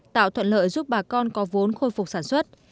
tạo thuận lợi giúp bà con có vốn khôi phục sản xuất